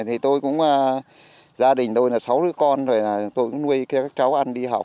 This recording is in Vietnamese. thì tôi cũng gia đình tôi là sáu đứa con rồi tôi nuôi các cháu ăn đi học